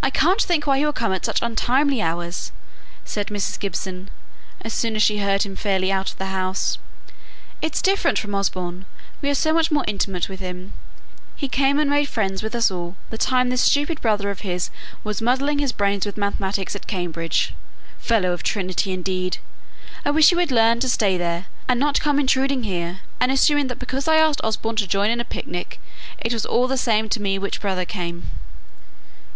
"I can't think why he will come at such untimely hours," said Mrs. Gibson, as soon as she heard him fairly out of the house. "It's different from Osborne; we are so much more intimate with him: he came and made friends with us all the time this stupid brother of his was muddling his brains with mathematics at Cambridge. Fellow of Trinity, indeed! I wish he would learn to stay there, and not come intruding here, and assuming that because I asked Osborne to join in a picnic it was all the same to me which brother came."